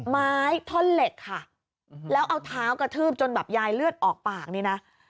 ไม้ท่อนเหล็กค่ะแล้วเอาเท้ากระทืบจนแบบยายเลือดออกปากนี่นะ